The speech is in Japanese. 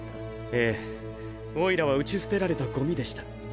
ええオイラはうち捨てられたゴミでした。